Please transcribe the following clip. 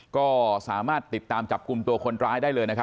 ก็สามารถติดตามจับกลุ่มตัวคนร้ายได้เลยนะครับ